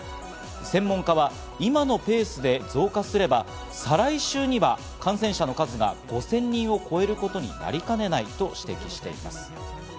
専門家は今のペースで増加すれば、再来週には感染者の数が５０００人を超えることになりかねないと指摘しています。